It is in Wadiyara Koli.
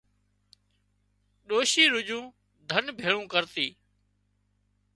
ڏوشي رُڄون ڌن ڀيۯون ڪرتي